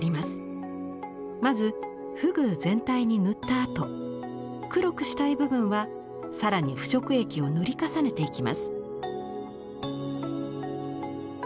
まず河豚全体に塗ったあと黒くしたい部分は更に腐食液を塗り重ねていきます。